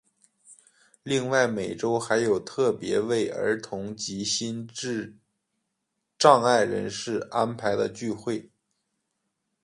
另外每周还有特别为儿童及心智障碍人士安排的聚会。